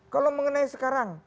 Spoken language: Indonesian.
kalau mengenai sekarang